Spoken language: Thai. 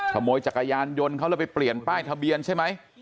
ขโมยจักรยานยนต์เขาแล้วไปเปลี่ยนป้ายทะเบียนใช่ไหม